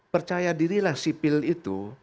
percaya dirilah sipil itu